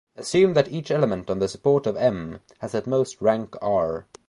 Assume that each element on the support of "M" has at most rank "r".